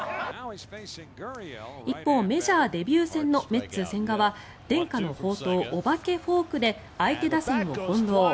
一方、メジャーデビュー戦のメッツ、千賀は伝家の宝刀、お化けフォークで相手打線を翻ろう。